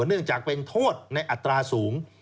เนื่องจากเป็นโทษในอัตราสูง